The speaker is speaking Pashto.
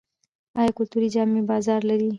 آیا کلتوري جامې بازار لري؟